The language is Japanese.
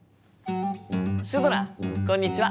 シュドラこんにちは！